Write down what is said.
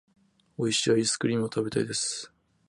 美味しいアイスクリームを食べたいです。